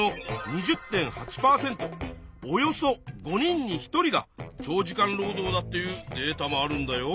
およそ５人に１人が長時間労働だっていうデータもあるんだよ。